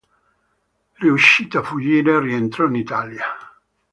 Riuscito a fuggire, rientrò in Italia.